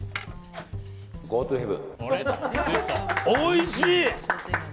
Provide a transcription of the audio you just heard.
おいしい！